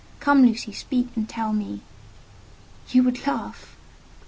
Come, Lucy, speak and tell me." "You would laugh—?"